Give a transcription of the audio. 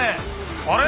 あれ？